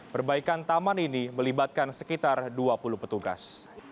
perbaikan taman ini melibatkan sekitar dua puluh petugas